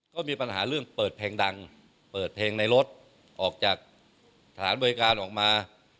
ก็มีปัญหาเรื่องเปิดเพลงดังเปิดเพลงในรถออกจากสถานบริการออกมา